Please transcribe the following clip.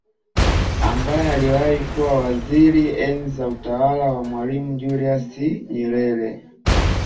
ambaye aliwahi kuwa waziri enzi za utawala wa Mwalimu Julius Nyerere